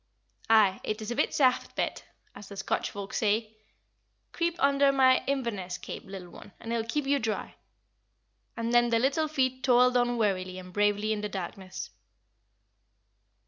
"Aye, it is a bit saft, Bet as the Scotch folk say. Creep under my Inverness cape, little one, and it will keep you dry." And then the little feet toiled on wearily and bravely in the darkness.